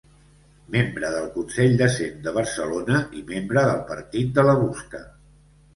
Membre del Consell de Cent de Barcelona i membre del partit de la Busca.